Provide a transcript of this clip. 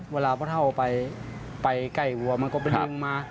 เวลาเท้าไปใกล้มันก็ไปดึงมา